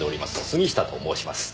杉下と申します。